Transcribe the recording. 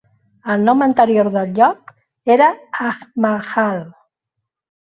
El nom anterior del lloc era Agmahal.